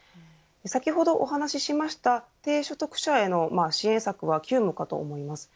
先ほどお話しました低所得者への支援策は急務かと思います。